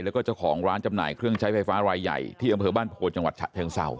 แล้วก็เจ้าของร้านจำหน่ายเครื่องใช้ไฟฟ้ารายใหญ่ที่อำเภอบ้านโพจังหวัดฉะเชิงเศร้า